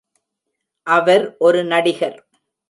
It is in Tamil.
அவர் ஒரு நடிகர்.